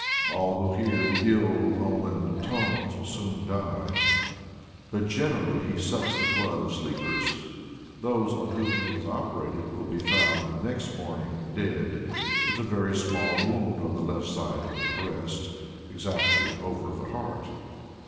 All who hear the ill omened tones will soon die. But generally he sucks the blood of sleepers. Those on whom he has operated will be found next morning dead, with a very small wound on the left side of the breast, exactly over the heart.